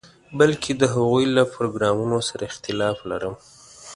بلکې د هغوی له پروګرامونو سره اختلاف لرم.